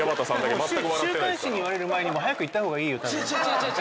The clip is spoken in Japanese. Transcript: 週刊誌に言われる前に早く言った方がいいよ。